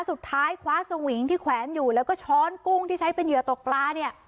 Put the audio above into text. สุดท้ายคว้าสวิงที่แขวนอยู่แล้วก็ช้อนกุ้งที่ใช้เป็นเหยื่อตกปลาเนี่ย